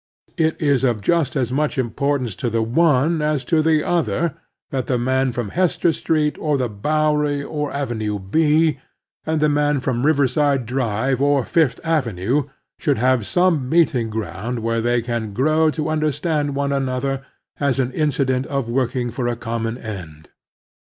It is of just as much importance to the one as to the other that the man from Hester Street or the Bowery or Avenue B, and the man from the Riverside Drive or Fifth Avenue, should have some meeting ground where they can grow to understand one another as an incident of work ing for a common end.